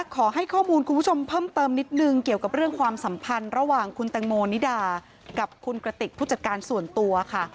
ขอให้ข้อมูลคุณผู้ชมเพิ่มเติมนิดนึงเกี่ยวกับเรื่องความสัมพันธ์ระหว่างคุณแตงโมนิดากับคุณกระติกผู้จัดการส่วนตัวค่ะ